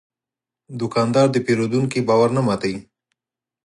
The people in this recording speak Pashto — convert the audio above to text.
دوکاندار د پېرودونکي باور نه ماتوي.